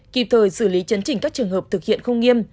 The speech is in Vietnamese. kịp thời xử lý chấn chỉnh các trường hợp thực hiện không nghiêm